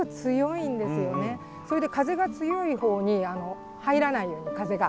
それで風が強いほうに入らないように風が。